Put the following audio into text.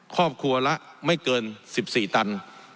ครอบครัวละไม่เกิน๑๔ตัน